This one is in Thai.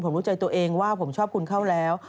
ผมรู้ใจตัวเองว่าผมชอบคุณเข้าแล้ว